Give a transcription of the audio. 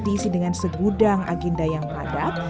diisi dengan segudang agenda yang padat